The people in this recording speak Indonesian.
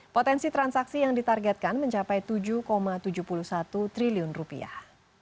potensi transaksi yang ditargetkan mencapai tujuh tujuh puluh satu triliun rupiah